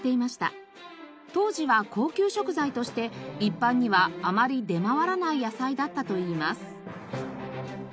当時は高級食材として一般にはあまり出回らない野菜だったといいます。